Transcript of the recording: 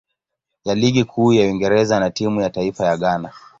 ya Ligi Kuu ya Uingereza na timu ya taifa ya Ghana.